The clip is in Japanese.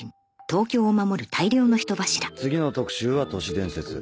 次の特集は「都市伝説」。